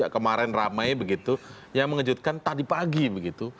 kemarin ramai yang mengejutkan tadi pagi